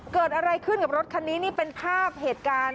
เกิดอะไรขึ้นกับรถคันนี้นี่เป็นภาพเหตุการณ์